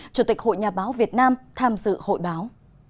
chủ tịch hội nhà báo việt nam tham dự hội báo